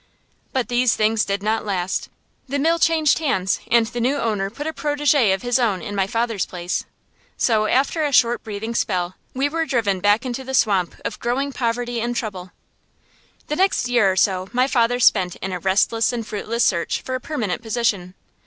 But these things did not last. The mill changed hands, and the new owner put a protégé of his own in my father's place. So, after a short breathing spell, we were driven back into the swamp of growing poverty and trouble. The next year or so my father spent in a restless and fruitless search for a permanent position.